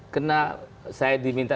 karena saya diminta